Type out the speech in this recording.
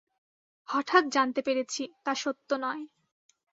হঠাৎ জানতে পেরেছি তা সত্য নয়।